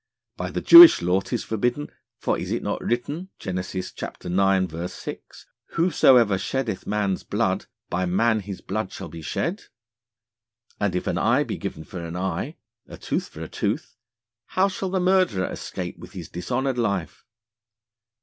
By the Jewish Law 'tis forbidden, for is it not written (Gen. ix. 6): "Whosoever sheddeth Man's Blood, by Man his Blood shall be shed"? And if an Eye be given for an Eye, a Tooth for a Tooth, how shall the Murderer escape with his dishonoured Life?